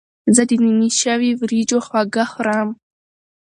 زه د نینې شوي وریجو خواږه خوړم.